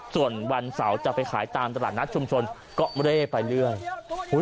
ส่วนวันเสาร์จะไปขายตามตลาดนัดชุมชนก็เร่ไปเรื่อย